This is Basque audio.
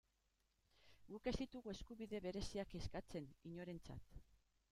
Guk ez ditugu eskubide bereziak eskatzen, inorentzat.